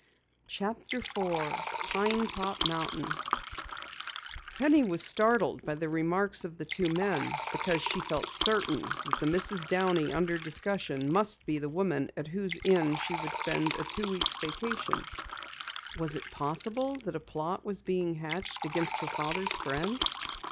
CHAPTER 4 PINE TOP MOUNTAIN Penny was startled by the remarks of the two men because she felt certain that the Mrs. Downey under discussion must be the woman at whose inn she would spend a two weeks' vacation. Was it possible that a plot was being hatched against her father's friend?